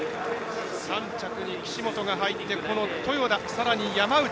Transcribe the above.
３着に岸本が入って豊田、さらに山内。